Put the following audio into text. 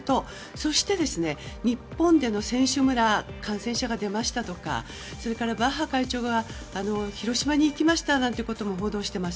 そして、日本での選手村感染者が出ましたとかそれからバッハ会長が広島に行きましたなんてことも報道しています。